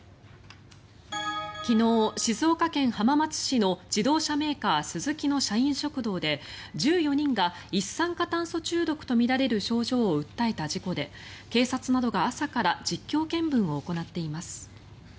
昨日、静岡県浜松市の自動車メーカースズキの社員食堂で１４人が一酸化炭素中毒とみられる症状を訴えた事故で警察などが朝から実況見分を行っています。